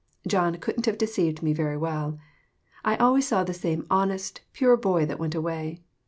John couldn't have deceived me very well. I always saw the same honest, pure boy that went away.